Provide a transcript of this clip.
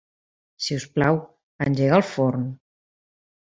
Si us plau, engega el forn.